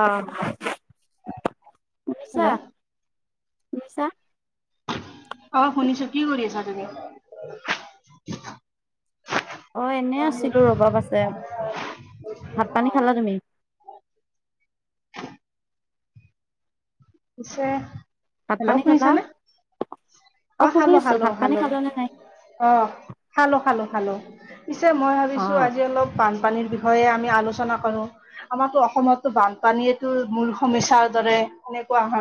আহ মিছা হেল্ল' নিছা। অ শুনিছো কি কৰি আছা তুমি। অ এনে আছিলো ৰবাব আছে ভাত পানী খালা তুমি। [unintelligible] পিছে। ভাত হেল্ল' পানী খালা শুনিছানে? অ শুনি খালো আছো খালো ভাত পানী খালো খালা নে নাই? অ খালো খালো খালো। পিছে মই ভাবিছোঁ অ' আজি অলপ বান বানপানীৰ বিষয়ে আমি আলোচনা কৰো আমাৰো অসমতো বানপানীটো মূল সমস্যাৰ দৰে এনে কোৱা হ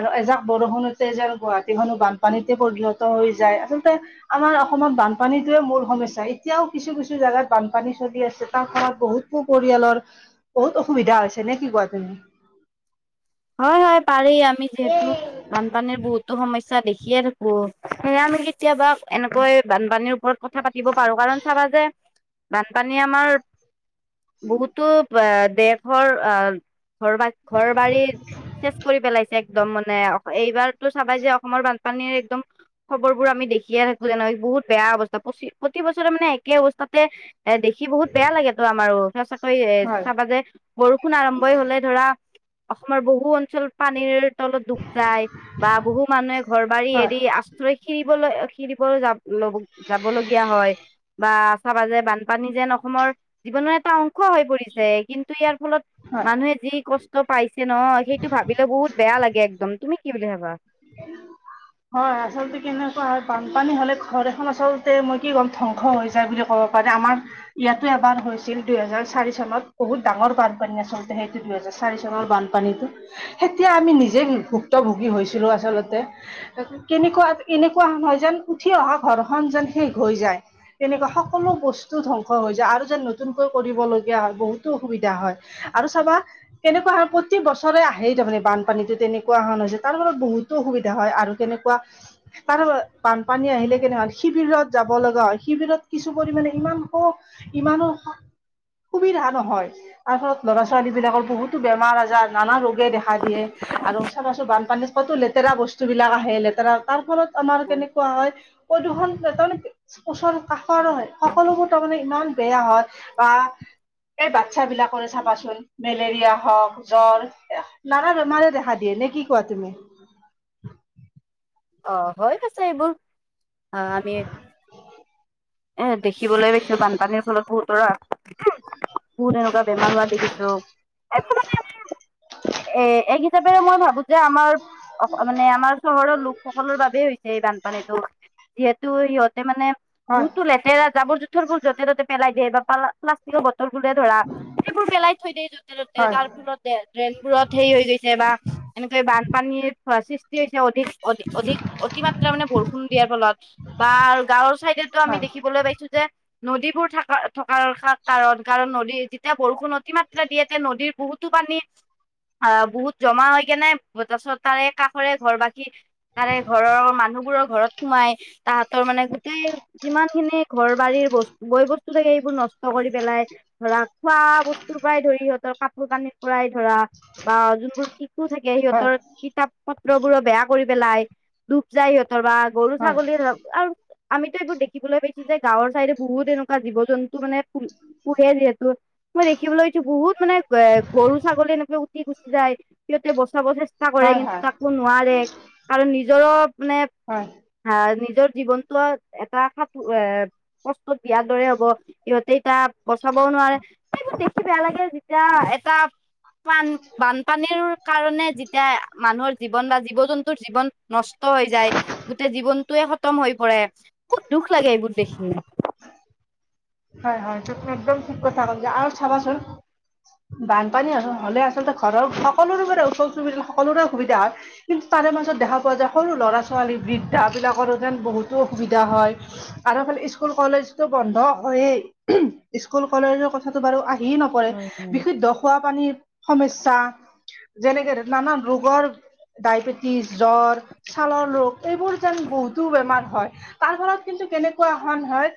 আৰু এজাক বৰষুণতে যোৰ গুৱাহাটীখনো বানপানীতে পৰিণত হৈ যায় আচলতে। আমাৰ অসমত বানপানীতয়ে মূল সমস্যা এতিয়াও কিছু কিছু জাগাত বানপানী চলি আছে তাৰ ফলত বহুত পৰিয়ালৰ বহুত অসুবিধা হৈছে নে কি কোৱা তুমি। হয় হয় পাৰ আমি যিহেতু বানপানীৰ বহুতো সমস্যা দেখিয়ে থাকো আমি কেতিয়াবা এনেকৈ বানপানীৰ ওপৰত কথা পাতিব পাৰো কাৰণ চাবা যে। বানপানী আমাৰ বহুতো এ দেশৰ অহ ঘৰ বা ঘৰ বাৰীত। কৰি পেলাইছে একদম মানে এইবাৰতো চাবাই যে অসমৰ। পানীৰ একদম খবৰ বোৰ আমি দেখিয়ে থাকো যেনে বহুত বেয়া অৱস্থা প্ৰতি বছৰে মানে একে অৱস্থা। তাতে এ দেখি বহুত বেয়া লাগেত তো আমাৰো ত এ হয় চাবা যে বৰষুণ আৰম্ভই হলে ধৰা অসমৰ বহু অঞ্চল পানীৰ তলত ডুব যায় বা বহু মানুহে ঘৰ বাৰী হয় এৰি আশ্ৰয় খৰিবলৈ দীপৰো যাব ল যাব লগগীয়া হয় বা চাবা যে বানপানী যেন অসমৰ। জীৱনৰ এটা অংশ হৈ পৰিছে কিন্তু ইয়াৰ ফলত হয়। মানুহে যি কষ্ট পাইছে ন সেইটো ভাবিলে বহুত বেয়া লাগে একদম তুমি। কি বুলি ভাবা [unintelligible] হয় আচলতে কেনেকুৱা হয় বানপানী হলে ঘৰ এখন আচলতে মই কি ক'ম ধ্বংস হৈ যায় বুলি ক'ব। কব পাৰি আমাৰ ইয়াতো এবাৰ হৈছিল দুহেজাৰ চাৰি চনত বহুত ডাঙৰ কোম্পানী আচলতে সেইটো দুহেজাৰ। চাৰি চনৰ বানপানীতো তেতিয়া আমি নিজে ভুক্ত ভুগী হৈছিলো আচলতে আচলতে কেনেকুৱা এনেকুৱা নহয় যেন উঠি অহা ঘৰখনন যেন শেষ হৈ যায় তেনেকুৱা সকলো বস্তু ধ্বংস হৈ যায় আৰু যেন নতুনকৈ কৰিবলগীয়া হয় বহুতো অসুবিধা হয় আৰু চাবা কেনেকুৱা প্ৰতি বছৰে আহেই তাৰমানে বানপানীতো তেনেকুৱা হৰণ হৈছে তাৰৰত বহুত অসুবিধা হয় আৰু কেনেকুৱা তাৰ বানপানী আহিলে কেনেকুৱা শিবিৰত যাব লগা হয় শিবিৰত কিছু পৰিমানে ইমান স ইমানো সুবিধা নহয় তাৰ ফলত ল'ৰা ছোৱালী বিলাকৰ বহুতো বেমাৰ আজাৰ নানা ৰোগে দেখা দিয়ে আৰু চাবা চুন বানপানীৰ লেতেৰা বস্তু বিলাক আহে লেতেৰা তাৰ ফলত আমাৰ কেনেকুৱা হয় প্ৰদূষণ তাৰমানে ওচৰ কাষৰ হয় সকলোবোৰ তাৰমানে ইমান বেয়া হয় বা এই বাচ্ছাবিলাকৰে চাবাচোন মেলেৰিয়া হওক জ্বৰ নানা বেমাৰে দেখা দিয়ে নে কি কোৱা তুমি অ হৈ গৈছে এইবোৰ আহ আমি এ দেখিবলৈ পাইছো বানপানীৰ ফলত বহুতৰ কোন এনেকুৱা বেমাৰ হোৱা দেখিছো। এ এক হিচাপেৰে মই ভাবো যে আমাৰ মানে আমাৰ চহৰৰ লোক। ল সকলৰ বাবেই হৈছে এই বানপানীটো যিহেতু সিহঁতে মানে হয় বহুতো লেতেৰা জাবৰ জোথৰ বোৰ যতে ততে পেলাই দিয়ে বা প্লাষ্টিকৰ। ফো ধৰা সেইবোৰ পেলাই থৈ দিয় য'তে ত'তে হয় তাৰ ফলত ড্ৰেইনবোৰত হেৰি হৈ গৈছে বা এনেক বান্ধপানী সৃষ্টি হয় হৈছে অধিক অ অধিক অতিমাত্ৰা মানে বৰষুণ দিয়াৰ ফলত বা গাঁৱৰ চাইডো আমি হয় দেখিবলৈ পাইছো যে নদীবোৰ থকা থকাৰ কাৰণ কাৰণ নদী যেতিয়া বৰষুণ অতিমাত্ৰা দিয়ে এতিয়া নদীৰ বহুতো অ বহুত জমা হয় কে নাই তাৰিছত তাৰে কাষৰে ঘৰ বাসী তাৰে ঘৰৰ মানুহবোৰৰ ঘৰত সোমাই তাহাঁতৰ মানে গোটেই যিমান খিনি ঘৰ বাৰীৰ বস্তু গৈ বস্তু থাকে সেইবোৰ নষ্ট কৰি পেলাই ধৰা খোৱা বস্তুৰ পৰাই ধৰি সিহঁতৰ কাপোৰ কানিৰ পৰাই ধৰা বা যোনবোৰ শিকো থাকে হয় সিহঁতৰ কিতাপ পত্ৰবোৰো বেয়া কৰিব পেলাই ডুব যায় সিহঁতৰ বা গৰু হয় ছাগলী ধৰক আৰু আমিতো এইবোৰ দেখিবলৈ পাইছো যে গাঁৱৰ ছাইদে বহুত এনেকুৱা জীৱ জন্তু মানে পোহে যিহেতু মই দেখিবলৈছো বহুত মানে এ গৰু ছাগলী এনেকে গুচি যায় সিহঁতে বচাব চেষ্টা কৰে হয় কিন্তু হয় তাকো নোৱাৰে কাৰণ নিজৰো মানে হয় হা নিজৰ জীৱনতটো এটা স এ কষ্টত বিয়াৰ দৰে হ'ব সিহঁতে এতিয়া বচাবও নোৱাৰে সেইবোৰ দেখি বেয়া লাগে যেতিয়া এটা পান বানপানীৰ কাৰণে যেতিয়া মানুহৰ জীৱন বা জীৱ জন্তুৰ জীৱন নষ্ট হৈ যায় গোটেই জীৱনতোয়ে স [unintelligible] উ্তম হৈ পৰে খুত দুখ লাগে এইবোৰ দেখি হয় হয় তি একদম ঠিক কথা কৈছা যে আৰু চাবাচোন বানপানী হলে আচলতে ঘৰৰ সকলোৰে পৰা ওচৰ চুব সকলোৰে সুবিধা হয় কিন্তু তাৰে মাজত দেখা পোৱা যায় সৰু ল'ৰা ছোৱালী বৃদ্ধা বিলাকৰো যেন বহুতো অসুবিধা হয় আৰু [unintelligible] স্কুল কলেজতো বন্ধ হয়য়ে স্কুল কলেজৰ কথাটো বাৰু আ হ নকৰে হয় বিশুদ্ধ খোৱাপানীৰ সমস্যা যেনেকে নানান ৰোগৰ ডায়বেটিছ জ্বৰ ছালৰ ৰোগ এইবোৰ যেন বহুতো বেমাৰ হয় তাৰ ফলত কিন্তু কেনেকুৱা [unintelligible] হয়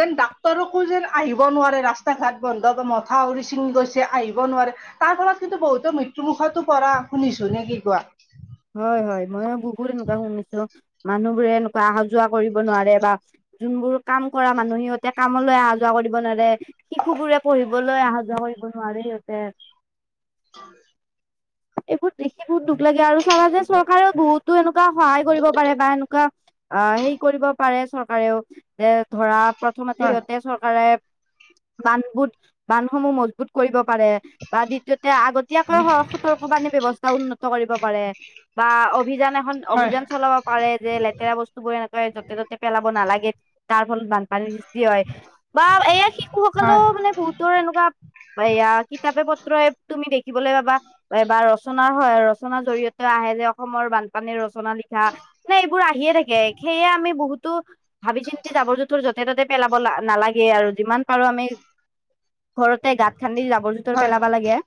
যেন ডাক্তৰকো যেন আহিব নোৱাৰে ৰাস্তা ঘাট বন্ধ বা মথাউৰি ছিঙি গৈছে আহিব নোৱাৰে তাৰ ফলত কিন্তু বহুতো মৃত্যু মুুখতো পৰা শুনিছো নে কি কোৱা হয় হয় ময়ো বহুত এনেকুৱা শুনিছো মানুহ বোৰে এনেকুৱা আহ যোৱা কৰিব নোৱাৰে বা যোনবোৰ কাম কৰা মানুহ সিহঁতে কামলৈ অহা যোৱা কৰিব নোৱাৰে শিশু বোৰে পঢ়িবলৈ অহা যোৱা কৰিব মই নোৱাৰি তাতে [unintelligible] হয় এইবোৰ দেখি বহুত দুখ লাগে আৰু চাবা যে চৰকাৰেও বহুতো এনেকুৱা সহায় কৰিব পাৰে বা এনেকুৱা অ হেৰি কৰিব পাৰে চৰকাৰেও যে ধৰা প্ৰথমতে সিহঁতে হয় চৰকাৰে বানবুত বান্ধসমূহ মজবুত কৰিব পাৰে বা দ্বিতীয় তে আগতীয়াকৈ হ স্থানীয় ব্যৱহাৰ উন্নত কৰিব পাৰে বা অভিযান এখন হয় অভিযান চলাব পাৰে যে লেতেৰা বস্তু বোৰ য'তে ত'তে পেলাব নালাগে তাৰ ফলত বানপানীৰ সৃষ্টি হয় বা এইয়া শিশুসকলেও হয় মানে বহুতৰ এনেকুৱা এয়া কিতাপে পত্ৰ তুমি দেখিবলৈ পাবা এই বা ৰচনাৰ হয় ৰচনাৰ জৰিয়তে আহে যে অসমৰ বানপানীৰ ৰচনা ৰচনা লিখা নে এইবোৰ আহিয়ে থাকে সেয়ে আমি বহুতো ভাবি চিন্তি জাবৰ জোঁথৰ যতে ত'তে পেলাবা নালাগে আৰু যিমান পাৰো আমি ঘৰতে গাঁত খান্দি জাবৰ জোতৰ হয় পেলাবা লাগে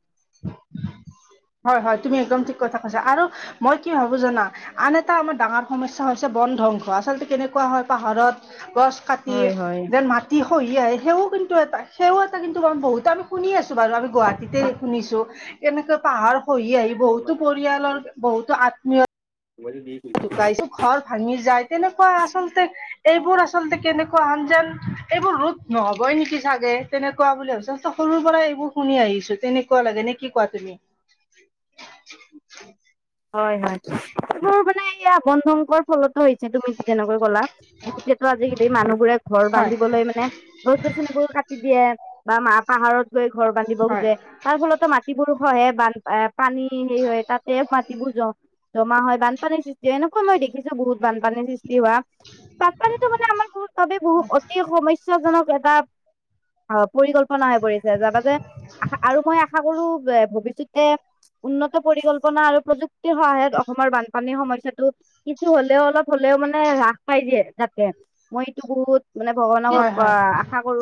হয় হয় তুমি একদম ঠিক কথা কৈছা আৰু মই কি ভাবো জানা আন এটা আমাৰ ডাঙৰ সমস্যা হৈছে বন ধ্বংস আচলতে কেনেকুৱা হয় পাহাৰত গছ কাটি হয় হয়। যেন মাটি খহি আহে সেও কিন্তু এটা সেও এটা কিন্তু বহুত আমি শুনি আছো বাৰু আমি গুৱাহাটীতে শুনিছো এনেকে পাহাৰ খহি আহি বহুতো পৰিয়ালৰ বহুতো আত্মীয় ধোকাইছে ঘৰ ভাঙি যায় তেনেকুৱা আচলতে এইবোৰ আচলতে কেনেকুৱা যেন এইবোৰ ৰোধ নহবই নেকি চাগে তেনেকুৱা বুলি ভাবি সৰুৰ পৰা এইবোৰ শুনি আহিছো তেনেকুৱা লাগে নে কি কোৱা তুমি হয় হয় এইবোৰ মানে এয়া বনধ্বংস ফলত হৈছে তুমি যেনেকৈ কলা বহুতো আজিকালি মানুহবোৰে ঘৰ হয় বান্ধিবলৈ মানে গছ গছনি বোৰ কাটি দিয়ে বা মা পাহাৰত গৈ ঘৰ বান্ধিব হয় খোজে তাৰ ফলতো মাটিবোৰ খহে বান পানী সেৰি হয় তাতে মাটিবোৰ জ জমা হয় বানপানীৰ সৃষ্টি এনেকুৱা মই দেখিছো বহুত বানপানীৰ সৃষ্টি সৃষ্টি হোৱা বানপানীটো মানে আমাৰ বহুত বহুত অতি সমস্যা জনক এটা [unintelligible] পৰিকল্পনা হৈ পৰিছে যাবি যে আশা আৰু মই আশা কৰো যে ভৱিষ্যতে উন্নত পৰিকল্পনা আৰু প্ৰযুক্তিৰ সহায়ত অসমৰ বানপানীৰ সমস্যা টো কিছু হলেও অলপ হ'লেও মানে হ্ৰাস পাই দিয়ে তাকে মইএইটো বহুত মানে হয় ভগৱানক হয় আহ আশা কৰো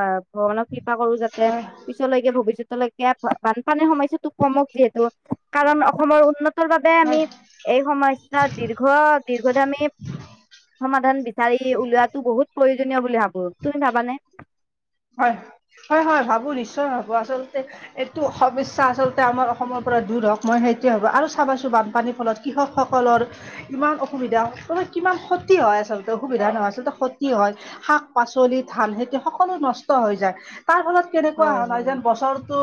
আহ ভগৱানক কৃপা কৰো যাতে হয় পিছলৈকে ভৱিষ্যত তলৈকে বানপানীৰ সমস্যাটো কমক যিহেতু কাৰণ অসমৰ উন্নত তৰ বহুত বাবে আমি হয় এই সমস্যাৰ দীৰ্ঘ দীৰ্ঘদমি সমাধান বিচাৰি ওলোৱাতো বহুত প্ৰয়োজনীয় বুলি ভাবো তুমি ভাবানে হয় হয় হয় ভাবো নিশ্চয় ভাবো আচলতে এইটো সঁবিচ্ছা আচলতে আমাৰ অসমৰ পৰা দূৰ হওঁক মই সেইটোৱে ভবোঁ আৰু চাবা ছোন বানপানীৰ ফলত কৃষকসকলৰ কিমান অসুবিধা কিমান ক্ষতি হয় আচলতে সুবিধা নহয় আচলতে ক্ষতি হয় শাক পাচলি ধান খেতি সকলো নষ্ট নষ্ট হৈ যায় তাৰ ফলত কেনেকুৱা হা হয় নাই হয় যেন বছৰটো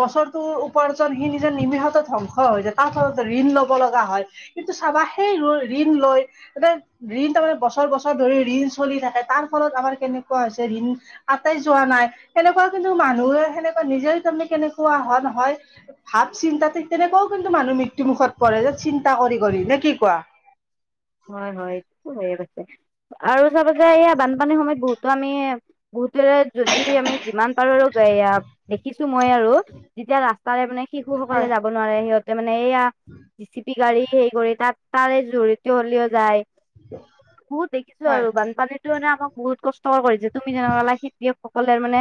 বছৰটোৰ উপাৰ্জন সি নিজে নিমিষতে ধ্বংস হৈ যায় তাৰ ফলত ঋণ ল'ব লগা হয় কিন্তু চাবা সেই ঋণ লৈ মানে ঋণ তাৰে বছৰ বছৰ ধৰি ঋণ চলি থাকে তাৰ ফলত আমাৰ কেনেকুৱা হৈছে ঋণ আতাই যোৱা নাই এনেকুৱা কিন্তু মানুহে সেনেকুৱা নিজেই তাৰমানে কেনেকুৱা হয় নহয় ভাৱ চিন্তা ঠিক তেনেকও কিন্তু মানুহ মৃত্যু মুুখত পৰে যে চিন্তা কৰি কৰি নে কি কোৱা [unintelligible] হয় হয় এইটো হৈ গৈছে আৰু চাব যে এয়া বানপানীৰ সময়ত বহুতো আমি বহুত যদি আমি যিমান পাৰো আৰু দেখিছো মই আৰু যেতিয়া ৰাস্তাৰে মানে শিশু পুৰুষ সকলে হয় যাব নোৱাৰে সেই এয়া জি চি পি গাড়ী হে কৰি তাত তাৰে জড়িত হ'লেও যায় উ [unintelligible] বহুত দেখিছো আৰু বানপানীতো মানে আমাক বহুত কষ্টকৰ কৰিছে তুমি যেনেকুৱা কলা খেতিয়কসকলে মানে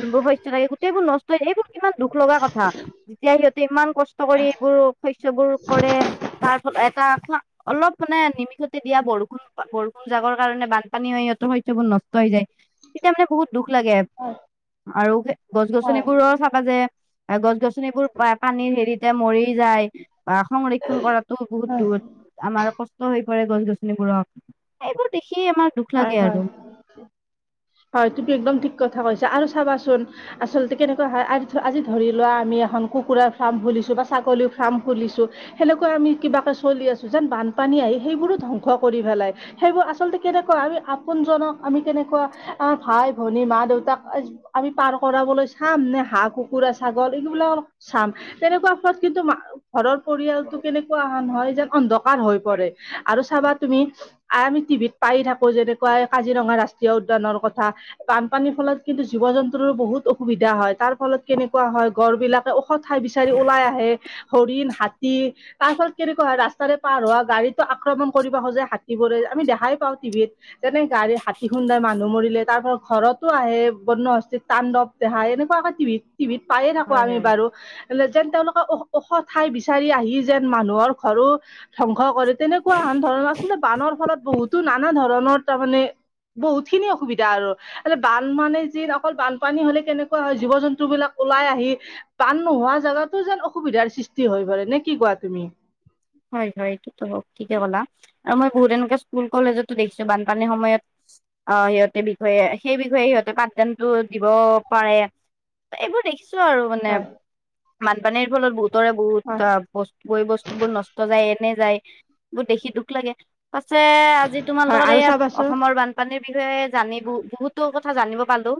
যোনবোৰ হৈছে লাগে গোটেইবোৰ নষ্ট ইমান দুখ লগা কথা যেতিয়া সিহঁতে ইমান কষ্ট কৰি এইবোৰ শস্যবোৰ কৰে তাৰপাছত এটা অলপ নিমিষতে দিয়া বৰষুণ বৰষুণ জাকৰ কাৰণে বানপানী হয় সিহঁতৰ শস্যবোৰ নষ্ট হৈ যায়। তেতিয়া মানে বহুত দুখ লাগে আৰু গছ হয় গছনিবোৰ চাবা যে গছ গছনিবোৰ পানীৰ হেৰিতে মৰি যায়। বা সংৰক্ষন কৰাতো বহুত হয় দূৰত আমাৰ কষ্ট হৈ পৰে গছ গছনিবোৰক এইবোৰ দেখি হয় হয় হয় তুমি একদম ঠিক কথা কৈছে আৰু চাবাচোন আচলতে কেনেকুৱা হয় আজি ধৰি লোৱা আমি এখন কুকুৰাৰ ফাৰ্ম খুলি। বা ছাগলী ফাৰ্ম খুলিছো সেনেকুৱা আমি কিবাকে চলি আছো যেন বানপানী আহি সেইবোৰো ধ্বংস। কৰি পেলাই সেইবোৰ আচলতে কেনেকুৱা আমি আপোনজনক আমি কেনেকুৱা আমাৰ ভাই ভনী মা দেউতাক আমি পাৰ কৰা চাম নে হাঁহ কুকুৰা ছাগলী এইবিলাক অলপ চাম তেনেকুৱা ফলত কিন্তু ঘৰৰ পৰিয়ালতটো কেনেকুৱা অহা নহয় যে অন্ধকাৰ হৈ পৰে আৰু চাবাত তুমি আমি টিভিত পাই থাকো যেনেকুৱা কাজিৰঙা ৰাষ্ট্ৰীয় উদ্যানৰ কথা বানপানীৰ ফলত কিন্তু জীৱ জন্তুৰো বহুত অসুবিধা হয় তাৰ ফলত কেনেকুৱা হয় গড় বিলাকে ওখ ঠাই বিচাৰি ওলাই আহে হৰিণ হাত তাৰপাত কেনেকুৱা হয় ৰাস্তাৰে পাৰ হোৱা গাড়ীতো আক্ৰমণ কৰিব খোজে হাতীবোৰে আমি দেখাই পাওঁ টিভিত যেনে গাড়ী হাতী খুন্দাই মানুহ মৰিলে তাৰপা ঘৰতো আহে বন্য হস্তিত তাণ্ডৱ দোই এনেকুৱে টিভিত টিভিত পায়ে থাকো হয় আমি হয় বাৰু যেন তেওঁলোক ওখ ঠাই বিচাৰি আহি যেন মানুহৰ ঘৰো ধ্বংস কৰে তেনেকুৱা আন ধৰণৰ আলতে বানৰ ফলত বহুতো নানা ধৰণৰ তাৰমানে বহুত খিনি অসুবিধা আৰু এ বান মানে যি অকল বানপানী হলে কেনেকুৱা হয় জীৱ জন্তু বিলাক ওলাই আহি বা নোহোৱা জেগাতো যেন অসুবিধাৰ সৃষ্টি হৈ পৰে নে কি কোৱা তুমি হয় হয় এইটোতো হ ঠিকে ক'লা আৰু মই বহুত এনেকে স্কুল কলেজতো দেখিছো বানপানীৰ সময়ত অ সিহঁতেৰ বিষয়ে সেই বিষয়ে সিহঁতে পাঠদানটো দিব পাৰে। এইবোৰ দেখিছো আৰু মানে হয় বানপানীৰ ফলত বহুতৰে বহুত হয় ব ব বস্তু বোৰ নষ্ট য এনে যায় বোৰ দেখি দুখ লাগে। [unintelligible] পাছে আজি হয় তোমালোকৰ আৰু এই চাবাচোন অসমৰ বানপানীৰ বিষয়ে জানিব বহুতো। কথা জানিব পালো।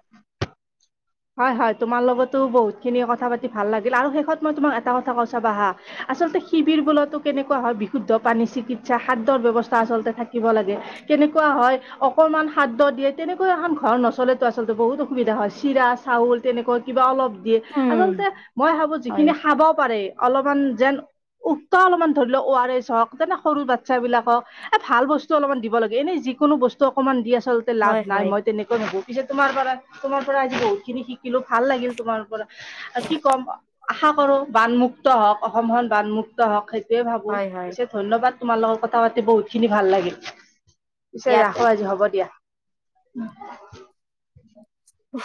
হয় হয় তোমাৰ লগতো বহুত খিনি কথা পাতি ভাল লাগিল আৰু শেষত মই তোমাক এটা কথা কৌ ছাবা হা আচলতে শিবিৰ বোলতো কেনেকুৱা হয় বিশুদ্ধ পানী চিকিৎসা খাদ্যৰ ব্যৱস্থা আচলতে থাকিব লাগে। কেনেকুৱা হয় অকণমান খাদ্য দিয়ে তেনেকুৱা এখন ঘৰ নচলেতো আচলতে বহুত অসুবিধা হয় চিৰা। চাউল তেনেকুৱা কিবা অলপ দিয়ে উম আচলতে মই ভাবো হয় যিখিনি খাব পাৰে অলপ যেন উকা অলপমান ধৰি লও অ আৰ এছ হওক তোন সৰু বাচ্ছাবিলাক হওক এ ভাল বস্তু অলপমান দিব লাগে এনেই যিকোনো বস্তু অকণমান দি আচলতে লাভ হয় নাই হয় মই তেনেকুৱা ভাবো পিছে তোমাৰ পৰা তোমাৰ পৰা আজি বহুত খিনি শিকিলো ভাল লাগিল তোমাৰ পৰা কি ক'ম আশা কৰো বান মুুক্ত হওক অসমখন বান মুুক্ত হওক সেইটোয়ে ভাবো হয় হয় নি ধন্যবাদ তোমাৰ লগত কথা পাতি বহুত খিনি ভাল লাগে পিছে ইয়াতে ৰাখো আজি হ'ব দিয়া। উ [unintelligible]